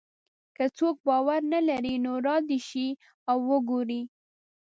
که څوک باور نه لري نو را دې شي او وګوري.